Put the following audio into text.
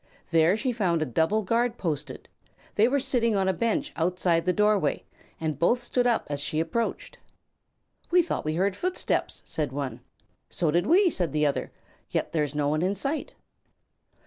There she found a double guard posted. They were sitting on a bench outside the doorway and both stood up as she approached. "We thought we heard footsteps," said one. "So did we," replied the other; "yet there is no one in sight."